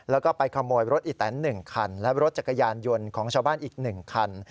แล้วก็ไปขโมยรถอีแตน๑คันและรถจักรยานยนต์ของชาวบ้านอีก๑คัน